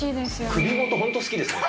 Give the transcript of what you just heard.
首元、本当に好きですね。